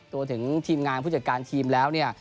ถึงทีมงานผู้จัดการทีมแล้วเนี่ย